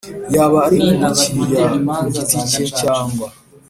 Yaba ari umukiriya ku giti cye cyangwa